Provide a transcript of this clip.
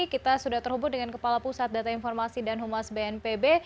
kita sudah terhubung dengan kepala pusat data informasi dan humas bnpb